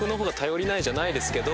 じゃないですけど